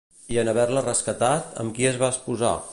I en haver-la rescatat, amb qui es va esposar?